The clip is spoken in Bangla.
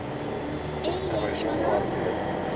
এই এই শোনো।